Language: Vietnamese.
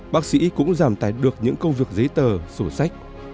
bác sĩ cũng giảm tài được những công việc giấy tờ sổ sách